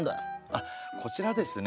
あっこちらですね